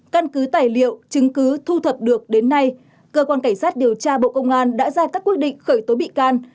căn cứ tài liệu chứng cứ thu thập được đến nay cơ quan cảnh sát điều tra bộ công an đã ra các quyết định khởi tố bị can